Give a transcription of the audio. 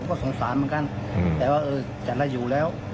ก็สงสารเหมือนกันแต่ว่าจะได้อยู่แล้ว